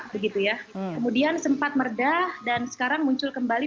kemudian sempat merdah dan sekarang muncul kembali